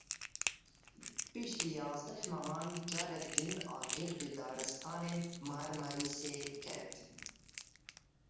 Piştî yazdeh mehan careke din agir bi daristanên Marmarîsê ket.